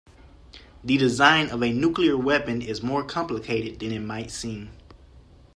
The design of a nuclear weapon is more complicated than it might seem.